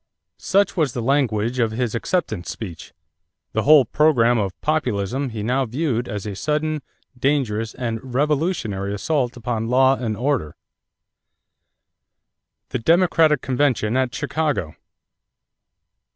Such was the language of his acceptance speech. The whole program of Populism he now viewed as a "sudden, dangerous, and revolutionary assault upon law and order." =The Democratic Convention at Chicago.